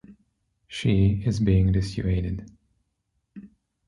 She is being dissuaded.